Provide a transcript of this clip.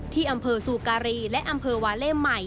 ที่อำเภอซูการีและอำเภอวาเล่ใหม่